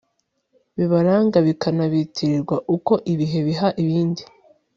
bibaranga bikanabitirirwa uko ibihe biha ibindi